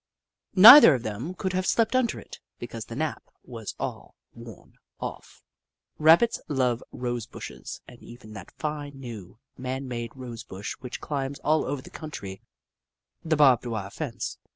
Neither of them could have slept under it, because the nap was all worn off. Rabbits love rose bushes and even that fine, new, man made rose bush which climbs all over the country — the barbed wire fence.